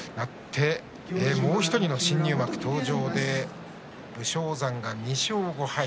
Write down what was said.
もう１人の新入幕登場で武将山が２勝５敗。